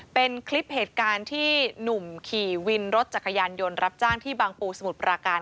เป็นคลิปเหตุการณ์ที่หนุ่มขี่วินรถจักรยานยนต์รับจ้างที่บางปูสมุทรปราการ